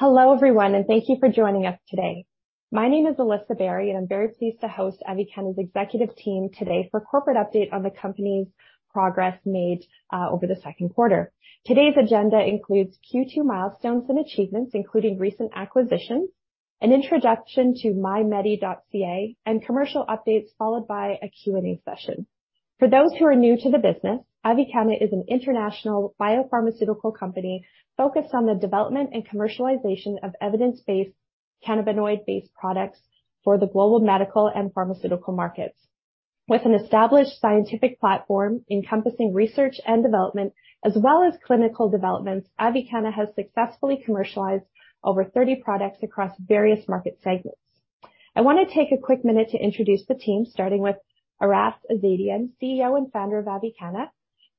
Hello, everyone, and thank you for joining us today. My name is Alyssa Barry, and I'm very pleased to host Avicanna's executive team today for a corporate update on the company's progress made over the 2nd quarter. Today's agenda includes Q2 milestones and achievements, including recent acquisitions, an introduction to MyMedi.ca, and commercial updates, followed by a Q&A session. For those who are new to the business, Avicanna is an international biopharmaceutical company focused on the development and commercialization of evidence-based, cannabinoid-based products for the global medical and pharmaceutical markets. With an established scientific platform encompassing research and development, as well as clinical developments, Avicanna has successfully commercialized over 30 products across various market segments. I want to take a quick minute to introduce the team, starting with Aras Azadian, CEO and Founder of Avicanna.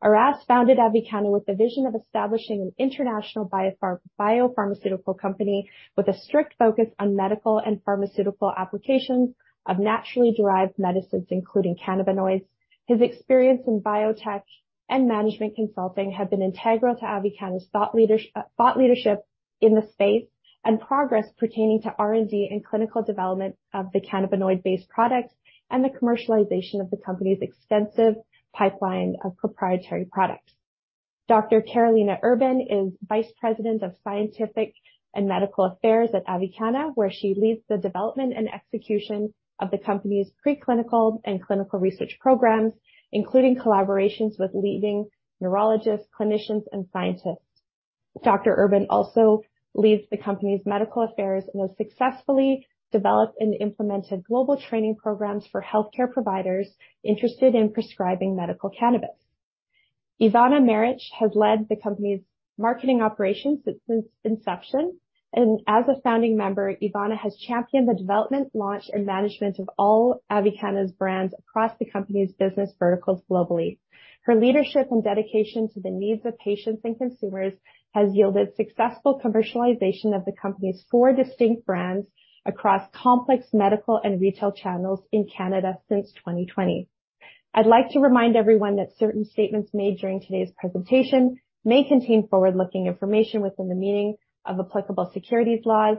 Aras founded Avicanna with the vision of establishing an international biopharmaceutical company with a strict focus on medical and pharmaceutical applications of naturally derived medicines, including cannabinoids. His experience in biotech and management consulting have been integral to Avicanna's thought leadership in the space and progress pertaining to R&D and clinical development of the cannabinoid-based products and the commercialization of the company's extensive pipeline of proprietary products. Dr. Karolina Urban is vice president of Scientific and Medical Affairs at Avicanna, where she leads the development and execution of the company's preclinical and clinical research programs, including collaborations with leading neurologists, clinicians, and scientists. Dr. Urban also leads the company's medical affairs and has successfully developed and implemented global training programs for healthcare providers interested in prescribing medical cannabis. Ivana Maric has led the company's marketing operations since inception. As a founding member, Ivana has championed the development, launch, and management of all Avicanna's brands across the company's business verticals globally. Her leadership and dedication to the needs of patients and consumers has yielded successful commercialization of the company's four distinct brands across complex medical and retail channels in Canada since 2020. I'd like to remind everyone that certain statements made during today's presentation may contain forward-looking information within the meaning of applicable securities laws.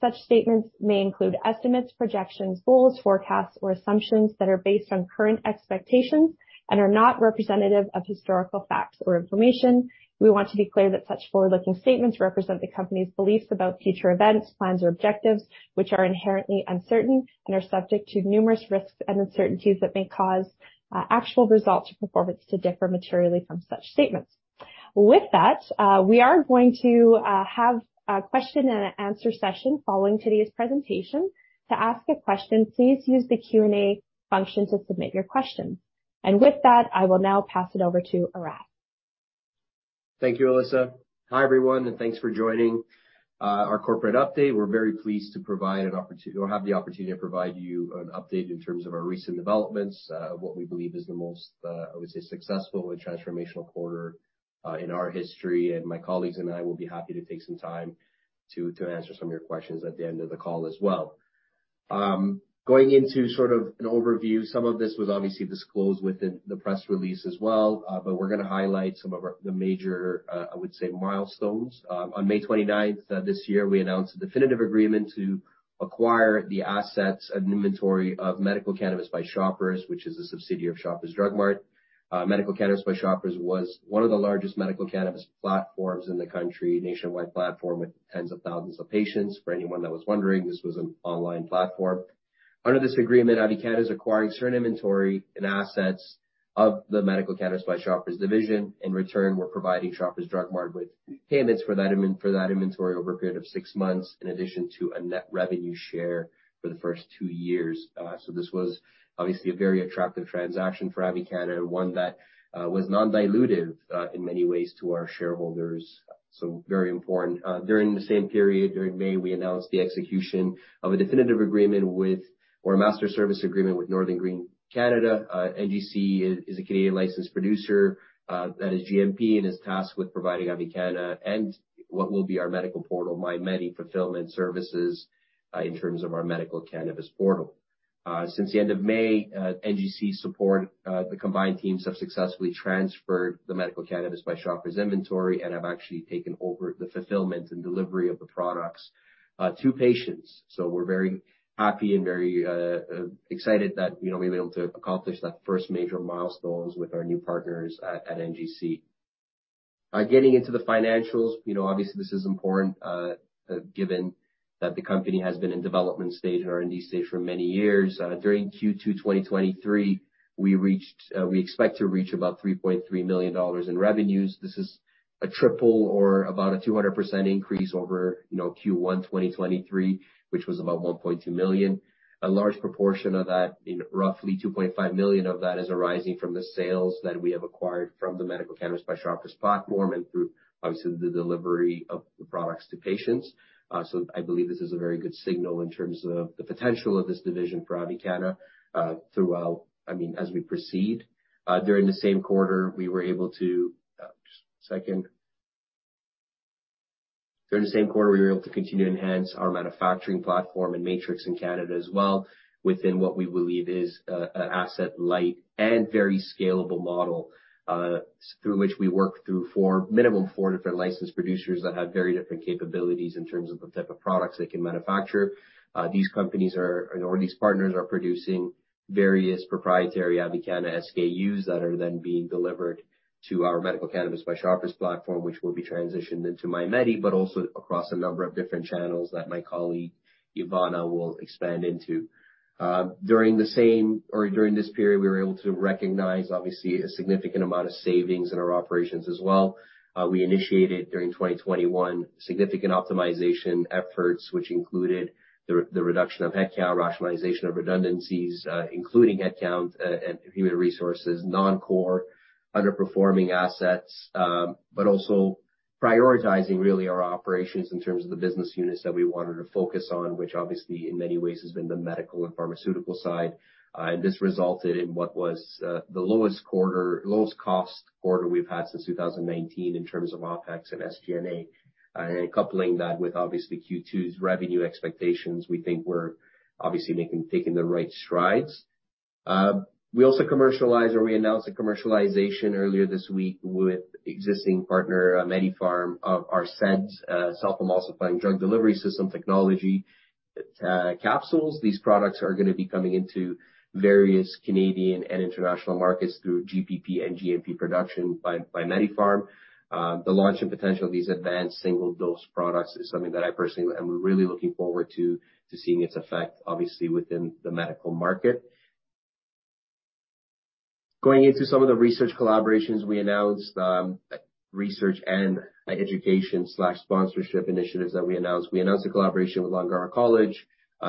Such statements may include estimates, projections, goals, forecasts, or assumptions that are based on current expectations and are not representative of historical facts or information. We want to be clear that such forward-looking statements represent the company's beliefs about future events, plans, or objectives, which are inherently uncertain and are subject to numerous risks and uncertainties that may cause actual results or performance to differ materially from such statements. With that, we are going to have a question and answer session following today's presentation. To ask a question, please use the Q&A function to submit your question. With that, I will now pass it over to Aras. Thank you, Alyssa. Hi, everyone, thanks for joining our corporate update. We're very pleased to have the opportunity to provide you an update in terms of our recent developments, what we believe is the most, I would say, successful and transformational quarter in our history. My colleagues and I will be happy to take some time to answer some of your questions at the end of the call as well. Going into sort of an overview, some of this was obviously disclosed within the press release as well, but we're going to highlight some of the major, I would say, milestones. On May 29th this year, we announced a definitive agreement to acquire the assets and inventory of Medical Cannabis by Shoppers, which is a subsidiary of Shoppers Drug Mart. Medical Cannabis by Shoppers was one of the largest medical cannabis platforms in the country, a nationwide platform with tens of thousands of patients. For anyone that was wondering, this was an online platform. Under this agreement, Avicanna is acquiring certain inventory and assets of the Medical Cannabis by Shoppers division. In return, we're providing Shoppers Drug Mart with payments for that inventory over a period of six months, in addition to a net revenue share for the first two years. This was obviously a very attractive transaction for Avicanna, and one that was non-dilutive in many ways to our shareholders, so very important. During the same period, during May, we announced the execution of a definitive agreement with, or a master service agreement with Northern Green Canada. NGC is a Canadian licensed producer that is GMP and is tasked with providing Avicanna and what will be our medical portal, MyMedi.ca, fulfillment services in terms of our medical cannabis portal. Since the end of May, NGC support, the combined teams have successfully transferred the Medical Cannabis by Shoppers inventory and have actually taken over the fulfillment and delivery of the products to patients. We're very happy and very excited that, you know, we've been able to accomplish that first major milestone with our new partners at NGC. Getting into the financials, you know, obviously, this is important given that the company has been in development stage and R&D stage for many years. During Q2 2023, we reached, we expect to reach about 3.3 million dollars in revenues. This is a triple or about a 200% increase over, you know, Q1 2023, which was about 1.2 million. A large proportion of that, in roughly 2.5 million of that, is arising from the sales that we have acquired from the Medical Cannabis by Shoppers platform and through, obviously, the delivery of the products to patients. I believe this is a very good signal in terms of the potential of this division for Avicanna, throughout... I mean, as we proceed. During the same quarter, we were able to, just a second. During the same quarter, we were able to continue to enhance our manufacturing platform and matrix in Canada as well, within what we believe is a asset light and very scalable model, through which we work through 4, minimum 4 different licensed producers that have very different capabilities in terms of the type of products they can manufacture. These companies are, or these partners are producing various proprietary Avicanna SKUs that are then being delivered to our Medical Cannabis by Shoppers platform, which will be transitioned into MyMedi.ca, but also across a number of different channels that my colleague, Ivana, will expand into. During the same, or during this period, we were able to recognize, obviously, a significant amount of savings in our operations as well. We initiated, during 2021, significant optimization efforts, which included the reduction of headcount, rationalization of redundancies, including headcount and human resources, non-core underperforming assets, but also prioritizing really our operations in terms of the business units that we wanted to focus on, which obviously in many ways has been the medical and pharmaceutical side. This resulted in what was the lowest cost quarter we've had since 2019 in terms of OpEx and SG&A. Coupling that with obviously Q2's revenue expectations, we think we're obviously taking the right strides. We also commercialized, or we announced the commercialization earlier this week with existing partner, MediPharm, of our SEDDS, self-emulsifying drug delivery system technology capsules. These products are going to be coming into various Canadian and international markets through GPP and GMP production by MediPharm. The launch and potential of these advanced single-dose products is something that I personally am really looking forward to seeing its effect, obviously, within the medical market. Going into some of the research collaborations, we announced research and education/sponsorship initiatives that we announced. We announced a collaboration with Langara College.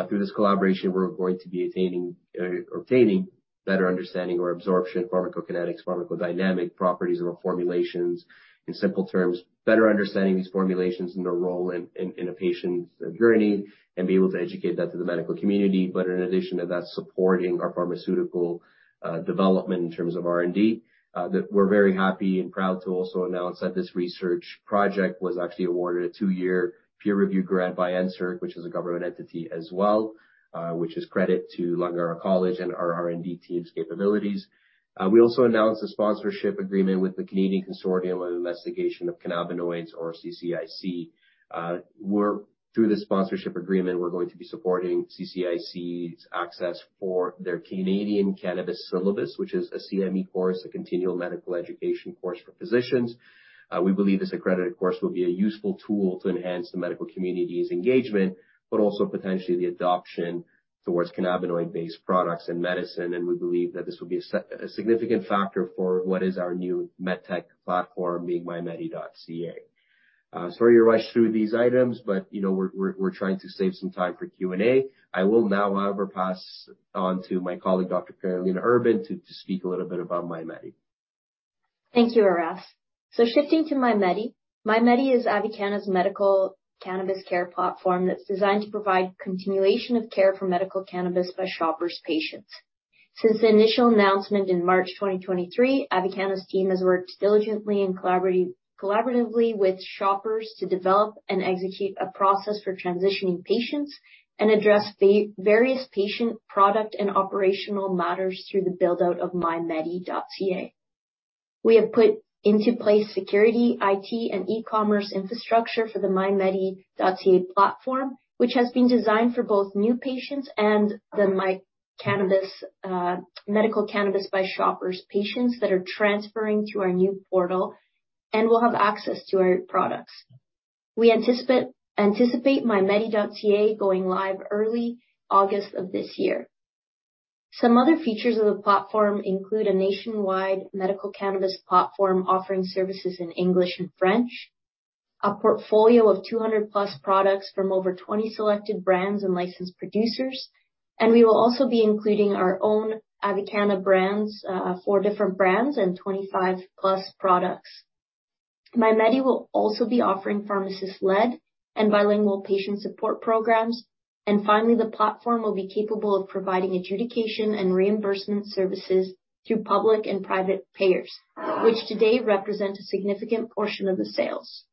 Through this collaboration, we're going to be attaining or obtaining better understanding or absorption, pharmacokinetics, pharmacodynamic properties of our formulations. In simple terms, better understanding these formulations and their role in a patient's journey, and be able to educate that to the medical community. In addition to that, supporting our pharmaceutical development in terms of R&D, that we're very happy and proud to also announce that this research project was actually awarded a two-year peer review grant by NSERC, which is a government entity as well, which is credit to Langara College and our R&D team's capabilities. We also announced a sponsorship agreement with the Canadian Consortium for the Investigation of Cannabinoids, or CCIC. Through this sponsorship agreement, we're going to be supporting CCIC's access for their Canadian Cannabis Syllabus, which is a CME course, a continual medical education course for physicians. We believe this accredited course will be a useful tool to enhance the medical community's engagement, but also potentially the adoption towards cannabinoid-based products and medicine. We believe that this will be a significant factor for what is our new MedTech platform, being MyMedi.ca. Sorry to rush through these items, but, you know, we're trying to save some time for Q&A. I will now, however, pass on to my colleague, Dr. Karolina Urban, to speak a little bit about MyMedi. Thank you, Aras. Shifting to MyMedi. MyMedi is Avicanna's medical cannabis care platform that's designed to provide continuation of care for Medical Cannabis by Shoppers patients. Since the initial announcement in March 2023, Avicanna's team has worked diligently and collaboratively with Shoppers to develop and execute a process for transitioning patients and address various patient, product, and operational matters through the build-out of MyMedi.ca. We have put into place security, IT, and e-commerce infrastructure for the MyMedi.ca platform, which has been designed for both new patients and the Medical Cannabis by Shoppers patients that are transferring to our new portal and will have access to our products. We anticipate MyMedi.ca going live early August of this year. Some other features of the platform include a nationwide medical cannabis platform, offering services in English and French, a portfolio of 200+ products from over 20 selected brands and licensed producers, and we will also be including our own Avicanna brands, 4 different brands and 25+ products. MyMedi will also be offering pharmacist-led and bilingual patient support programs. Finally, the platform will be capable of providing adjudication and reimbursement services through public and private payers, which today represent a significant portion of the sales.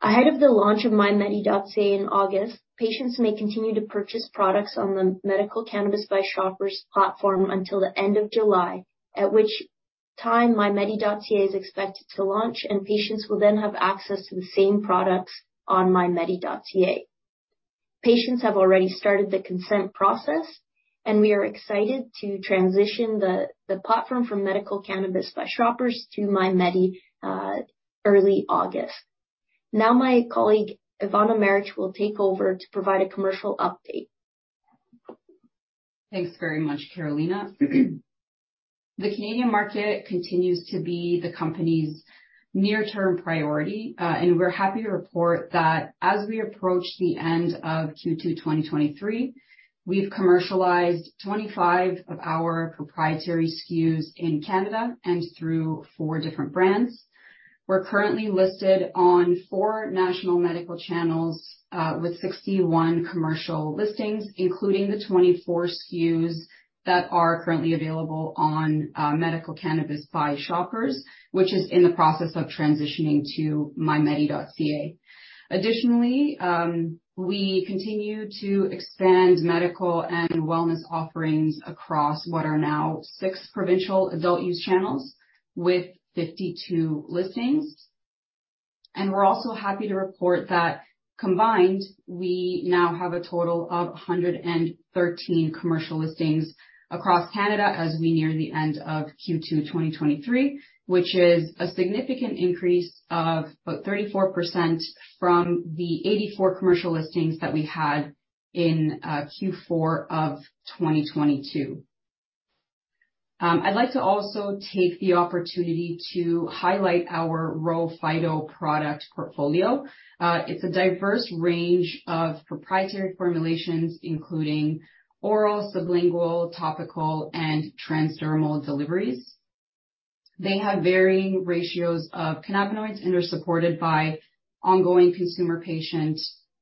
Ahead of the launch of MyMedi.ca in August, patients may continue to purchase products on the Medical Cannabis by Shoppers platform until the end of July, at which time MyMedi.ca is expected to launch. Patients will then have access to the same products on MyMedi.ca. Patients have already started the consent process, and we are excited to transition the platform from Medical Cannabis by Shoppers to MyMedi early August. My colleague, Ivana Maric, will take over to provide a commercial update. Thanks very much, Karolina. The Canadian market continues to be the company's near-term priority, and we're happy to report that as we approach the end of Q2, 2023, we've commercialized 25 of our proprietary SKUs in Canada and through 4 different brands. We're currently listed on 4 national medical channels, with 61 commercial listings, including the 24 SKUs that are currently available on Medical Cannabis by Shoppers, which is in the process of transitioning to MyMedi.ca. Additionally, we continue to expand medical and wellness offerings across what are now 6 provincial adult use channels with 52 listings. We're also happy to report that combined, we now have a total of 113 commercial listings across Canada as we near the end of Q2 2023, which is a significant increase of about 34% from the 84 commercial listings that we had in Q4 2022. I'd like to also take the opportunity to highlight our RHO Phyto product portfolio. It's a diverse range of proprietary formulations, including oral, sublingual, topical, and transdermal deliveries. They have varying ratios of cannabinoids and are supported by ongoing consumer, patient,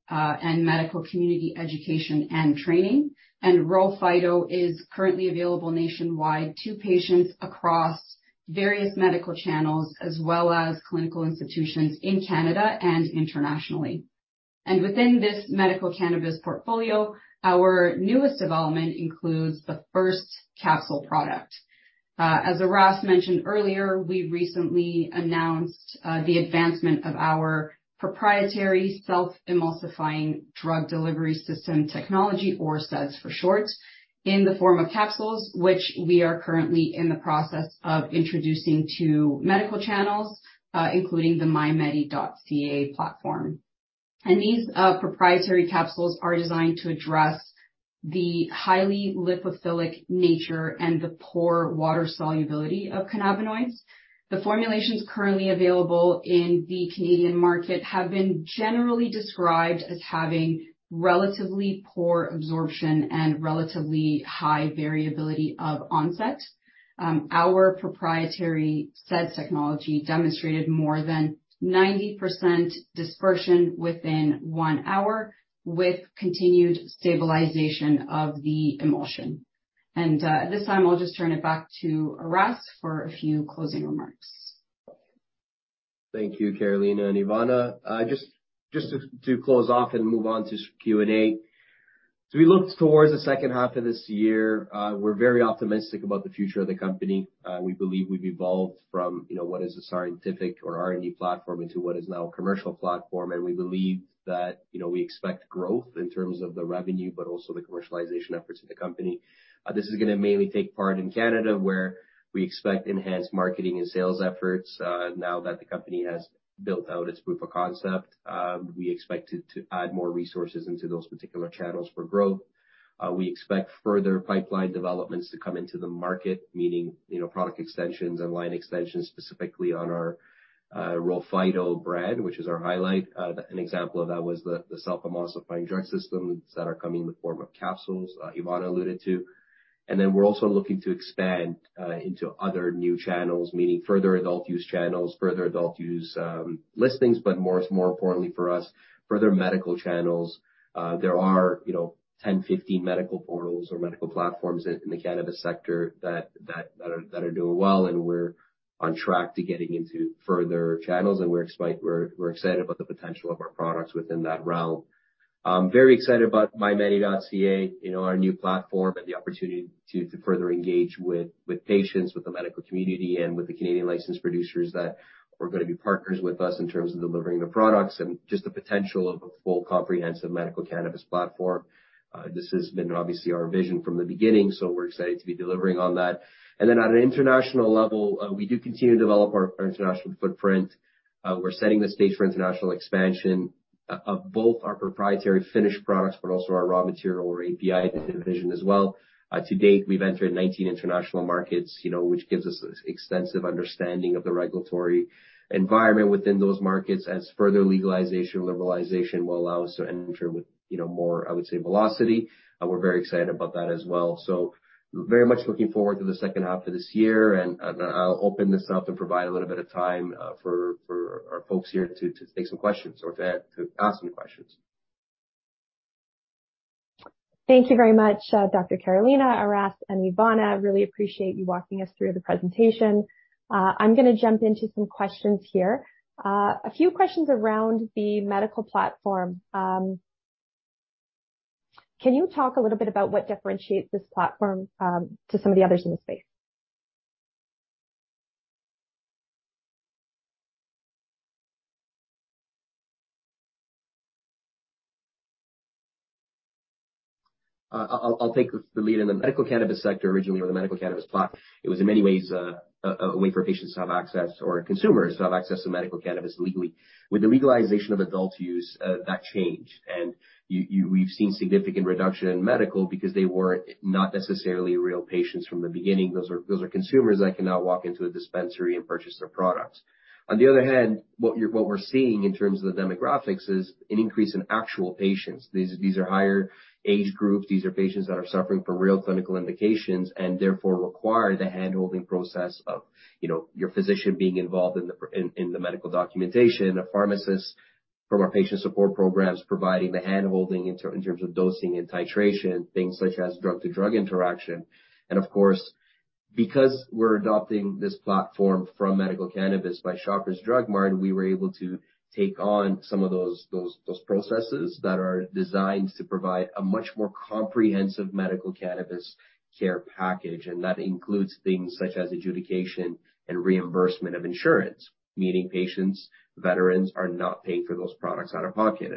and medical community education and training. RHO Phyto is currently available nationwide to patients across various medical channels, as well as clinical institutions in Canada and internationally. Within this medical cannabis portfolio, our newest development includes the first capsule product. As Aras mentioned earlier, we recently announced the advancement of our proprietary self-emulsifying drug delivery system technology, or SEDDS for short, in the form of capsules, which we are currently in the process of introducing to medical channels, including the MyMedi.ca platform. These proprietary capsules are designed to address the highly lipophilic nature and the poor water solubility of cannabinoids. The formulations currently available in the Canadian market have been generally described as having relatively poor absorption and relatively high variability of onset. Our proprietary SEDDS technology demonstrated more than 90% dispersion within one hour, with continued stabilization of the emulsion. At this time, I'll just turn it back to Aras for a few closing remarks. Thank you, Karolina and Ivana. Just to close off and move on to Q&A. We look towards the second half of this year, we're very optimistic about the future of the company. We believe we've evolved from, you know, what is a scientific or R&D platform into what is now a commercial platform. We believe that, you know, we expect growth in terms of the revenue, but also the commercialization efforts of the company. This is going to mainly take part in Canada, where we expect enhanced marketing and sales efforts, now that the company has built out its proof of concept. We expect to add more resources into those particular channels for growth. We expect further pipeline developments to come into the market, meaning, you know, product extensions and line extensions, specifically on our RHO Phyto brand, which is our highlight. An example of that was the self-emulsifying drug systems that are coming in the form of capsules, Ivana alluded to. We're also looking to expand into other new channels, meaning further adult use channels, further adult use listings, but more importantly for us, further medical channels. There are, you know, 10, 15 medical portals or medical platforms in the cannabis sector that are doing well, and we're on track to getting into further channels, and we're excited about the potential of our products within that realm. I'm very excited about MyMedi.ca, you know, our new platform and the opportunity to further engage with patients, with the medical community, and with the Canadian licensed producers that are going to be partners with us in terms of delivering the products and just the potential of a full comprehensive medical cannabis platform. This has been obviously our vision from the beginning, so we're excited to be delivering on that. At an international level, we do continue to develop our international footprint. We're setting the stage for international expansion of both our proprietary finished products, but also our raw material or API division as well. To date, we've entered 19 international markets, you know, which gives us an extensive understanding of the regulatory environment within those markets, as further legalization, liberalization will allow us to enter with, you know, more, I would say, velocity. We're very excited about that as well. Very much looking forward to the second half of this year, and I'll open this up and provide a little bit of time for our folks here to take some questions or to ask some questions. Thank you very much, Dr. Karolina, Aras, and Ivana. Really appreciate you walking us through the presentation. I'm going to jump into some questions here. A few questions around the medical platform. Can you talk a little bit about what differentiates this platform, to some of the others in the space? I'll take the lead. In the medical cannabis sector originally, or the medical cannabis platform, it was in many ways a way for patients to have access or consumers to have access to medical cannabis legally. With the legalization of adult use, that changed. We've seen significant reduction in medical because they were not necessarily real patients from the beginning. Those are consumers that can now walk into a dispensary and purchase their products. On the other hand, what we're seeing in terms of the demographics is an increase in actual patients. These are higher age groups. These are patients that are suffering from real clinical indications and therefore require the handholding process of, you know, your physician being involved in the medical documentation, a pharmacist from our patient support programs providing the handholding in terms of dosing and titration, things such as drug-to-drug interaction. Because we're adopting this platform from Medical Cannabis by Shoppers, we were able to take on some of those processes that are designed to provide a much more comprehensive medical cannabis care package. That includes things such as adjudication and reimbursement of insurance, meaning patients, veterans, are not paying for those products out of pocket.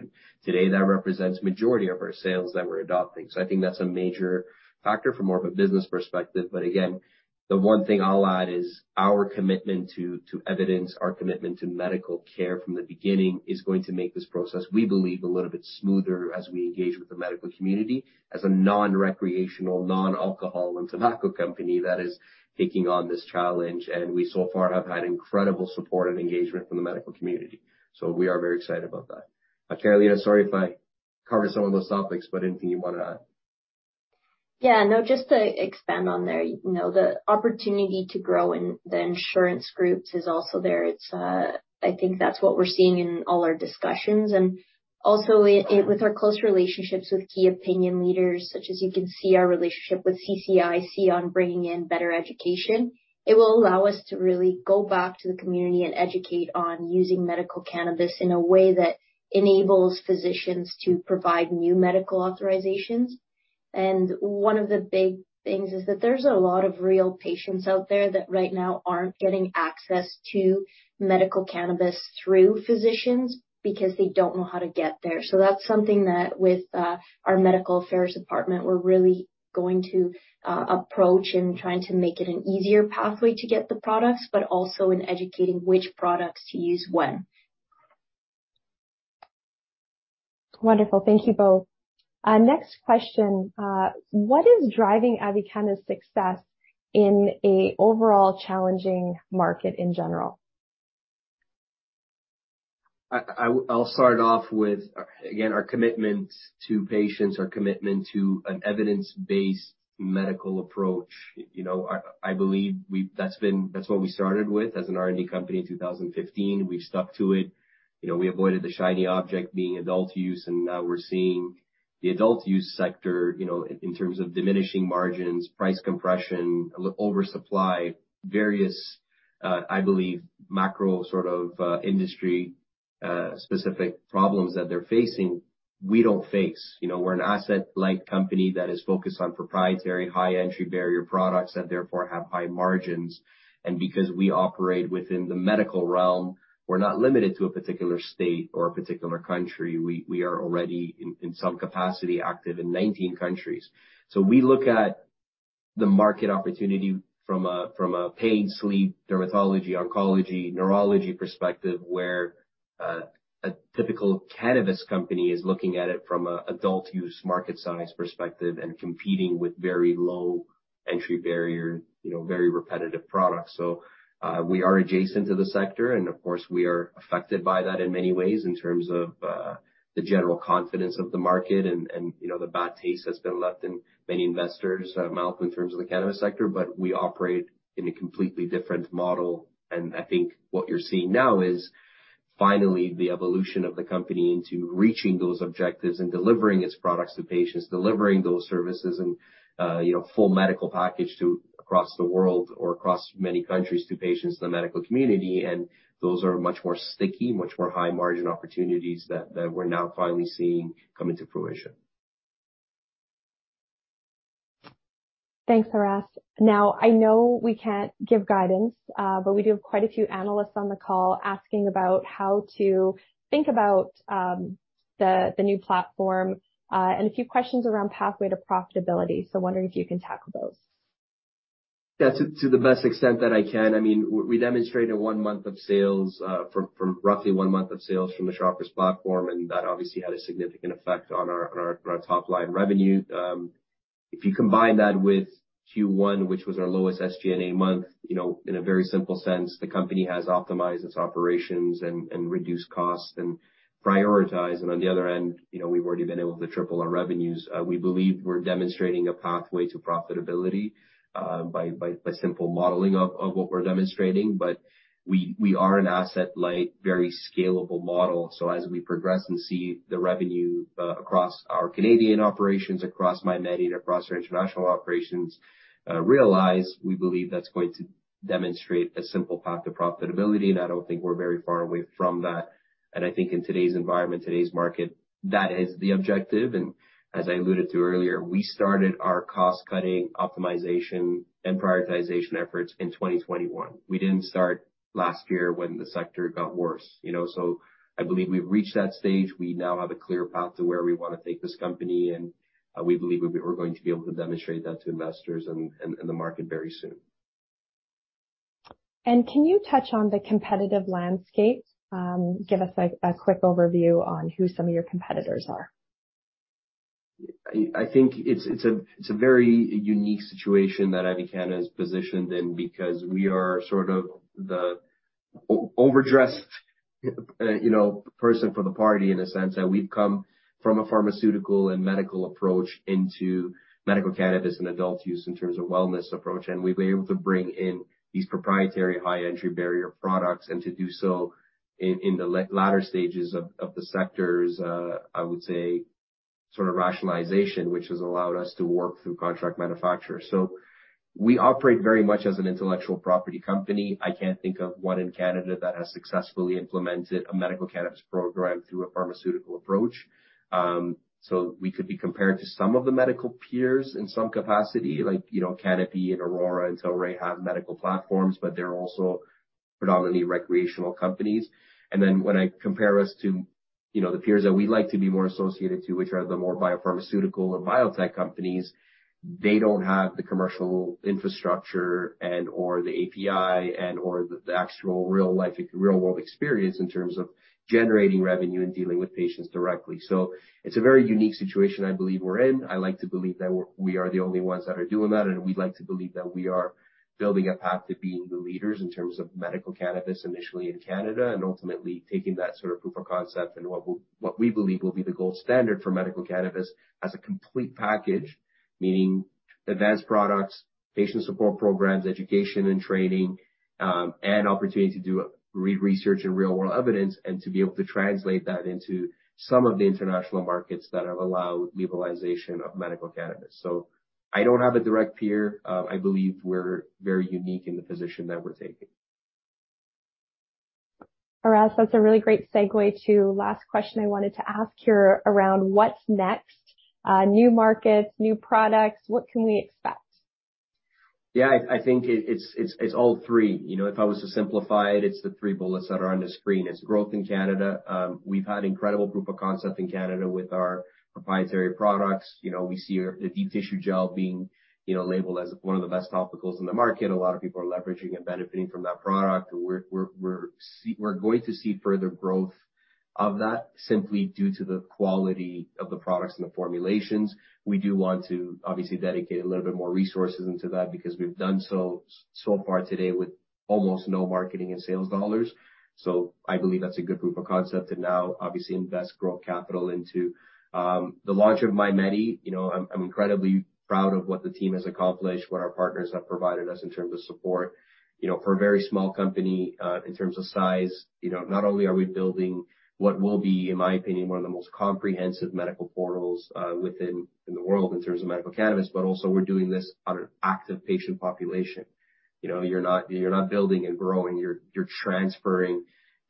Today, that represents majority of our sales that we're adopting. I think that's a major factor from more of a business perspective. Again, the one thing I'll add is our commitment to evidence, our commitment to medical care from the beginning, is going to make this process, we believe, a little bit smoother as we engage with the medical community as a non-recreational, non-alcohol and tobacco company that is taking on this challenge. We so far have had incredible support and engagement from the medical community. We are very excited about that. Karolina, sorry if I covered some of those topics, but anything you wanna add? No, just to expand on there, you know, the opportunity to grow in the insurance groups is also there. It's, I think that's what we're seeing in all our discussions. Also, with our close relationships with key opinion leaders, such as you can see our relationship with CCIC on bringing in better education, it will allow us to really go back to the community and educate on using medical cannabis in a way that enables physicians to provide new medical authorizations. One of the big things is that there's a lot of real patients out there that right now aren't getting access to medical cannabis through physicians because they don't know how to get there. That's something that with our medical affairs department, we're really going to approach in trying to make it an easier pathway to get the products, but also in educating which products to use when. Wonderful. Thank you both. Next question. What is driving Avicanna's success in a overall challenging market in general? I'll start off with, again, our commitment to patients, our commitment to an evidence-based medical approach. You know, I believe that's been, that's what we started with as an R&D company in 2015. We've stuck to it. You know, we avoided the shiny object being adult use, and now we're seeing the adult use sector, you know, in terms of diminishing margins, price compression, oversupply, various, I believe, macro sort of, industry, specific problems that they're facing, we don't face. You know, we're an asset-light company that is focused on proprietary, high entry barrier products that therefore have high margins. Because we operate within the medical realm, we're not limited to a particular state or a particular country. We are already in some capacity, active in 19 countries. We look at the market opportunity from a, from a pain, sleep, dermatology, oncology, neurology perspective, where a typical cannabis company is looking at it from a adult use market size perspective and competing with very low entry barrier, you know, very repetitive products. We are adjacent to the sector, and of course, we are affected by that in many ways in terms of the general confidence of the market. You know, the bad taste that's been left in many investors mouth in terms of the cannabis sector. We operate in a completely different model, and I think what you're seeing now is finally the evolution of the company into reaching those objectives and delivering its products to patients, delivering those services and, you know, full medical package to across the world or across many countries, to patients in the medical community. Those are much more sticky, much more high margin opportunities that we're now finally seeing come into fruition. Thanks, Aras. I know we can't give guidance, but we do have quite a few analysts on the call asking about how to think about the new platform, and a few questions around pathway to profitability. Wondering if you can tackle those. Yeah, to the best extent that I can. I mean, we demonstrated a 1 month of sales from roughly 1 month of sales from the Shoppers platform, and that obviously had a significant effect on our top line revenue. If you combine that with Q1, which was our lowest SG&A month, you know, in a very simple sense, the company has optimized its operations and reduced costs and prioritized. On the other hand, you know, we've already been able to triple our revenues. We believe we're demonstrating a pathway to profitability, by simple modeling of what we're demonstrating. We are an asset-light, very scalable model. As we progress and see the revenue across our Canadian operations, across MyMedi, across our international operations, realize, we believe that's going to demonstrate a simple path to profitability, and I don't think we're very far away from that. I think in today's environment, today's market, that is the objective. As I alluded to earlier, we started our cost-cutting, optimization and prioritization efforts in 2021. We didn't start last year when the sector got worse, you know, I believe we've reached that stage. We now have a clear path to where we want to take this company. We believe we're going to be able to demonstrate that to investors and the market very soon. Can you touch on the competitive landscape? Give us a quick overview on who some of your competitors are. I think it's a very unique situation that Avicanna is positioned in, because we are sort of the overdressed, you know, person for the party, in a sense, that we've come from a pharmaceutical and medical approach into medical cannabis and adult use in terms of wellness approach. We've been able to bring in these proprietary, high entry barrier products, and to do so in the latter stages of the sectors, I would say sort of rationalization, which has allowed us to work through contract manufacturers. We operate very much as an intellectual property company. I can't think of one in Canada that has successfully implemented a medical cannabis program through a pharmaceutical approach. So we could be compared to some of the medical peers in some capacity, like, you know, Canopy and Aurora and Tilray have medical platforms, but they're also predominantly recreational companies. When I compare us to, you know, the peers that we'd like to be more associated to, which are the more biopharmaceutical and biotech companies, they don't have the commercial infrastructure and/or the API and/or the actual real-life, real-world experience in terms of generating revenue and dealing with patients directly. It's a very unique situation I believe we're in. I like to believe that we're, we are the only ones that are doing that, and we'd like to believe that we are building a path to being the leaders in terms of medical cannabis, initially in Canada, and ultimately taking that sort of proof of concept and what we believe will be the gold standard for medical cannabis as a complete package, meaning advanced products, patient support programs, education and training, and opportunity to do research and real-world evidence, and to be able to translate that into some of the international markets that have allowed legalization of medical cannabis. I don't have a direct peer. I believe we're very unique in the position that we're taking. Aras, that's a really great segue to last question I wanted to ask here, around what's next? New markets, new products, what can we expect? Yeah, I think it's all 3. You know, if I was to simplify it's the 3 bullets that are on the screen. It's growth in Canada. We've had incredible proof of concept in Canada with our proprietary products. You know, we see our Deep Tissue Gel being, you know, labeled as one of the best topicals in the market. A lot of people are leveraging and benefiting from that product. We're going to see further growth of that simply due to the quality of the products and the formulations. We do want to obviously dedicate a little bit more resources into that because we've done so far today with almost no marketing and sales dollars. I believe that's a good proof of concept, and now obviously invest growth capital into the launch of MyMedi.ca. You know, I'm incredibly proud of what the team has accomplished, what our partners have provided us in terms of support. You know, for a very small company, in terms of size, you know, not only are we building what will be, in my opinion, one of the most comprehensive medical portals, in the world in terms of medical cannabis, but also we're doing this on an active patient population. You know, you're not building and growing, you're transferring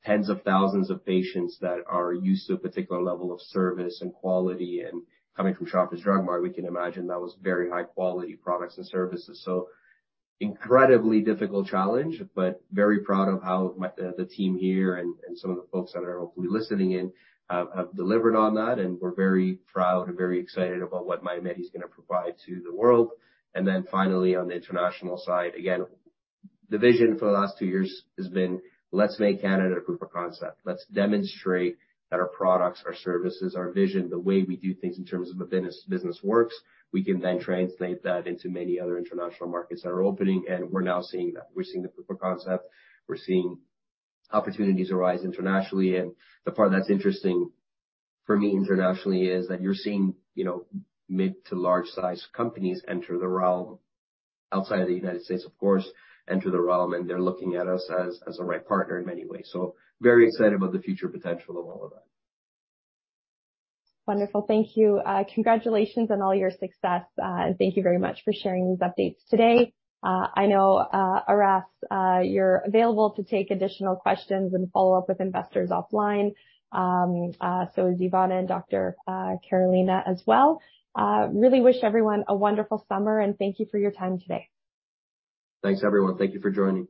tens of thousands of patients that are used to a particular level of service and quality. Coming from Shoppers Drug Mart, we can imagine that was very high-quality products and services. Incredibly difficult challenge, but very proud of how my, the team here and some of the folks that are hopefully listening in, have delivered on that. We're very proud and very excited about what MyMedi is going to provide to the world. Finally, on the international side, again, the vision for the last 2 years has been, let's make Canada a proof of concept. Let's demonstrate that our products, our services, our vision, the way we do things in terms of the business works, we can then translate that into many other international markets that are opening, and we're now seeing that. We're seeing the proof of concept. We're seeing opportunities arise internationally. The part that's interesting for me internationally is that you're seeing, you know, mid to large-sized companies enter the realm, outside of the United States, of course, enter the realm, and they're looking at us as the right partner in many ways. Very excited about the future potential of all of that. Wonderful. Thank you. Congratulations on all your success, and thank you very much for sharing these updates today. I know Aras, you're available to take additional questions and follow up with investors offline. Is Ivana and Dr. Karolina as well. Really wish everyone a wonderful summer, and thank you for your time today. Thanks, everyone. Thank you for joining.